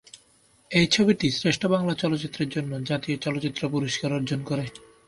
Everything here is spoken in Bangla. এই ছবিটি শ্রেষ্ঠ বাংলা চলচ্চিত্রের জন্য জাতীয় চলচ্চিত্র পুরস্কার অর্জন করে।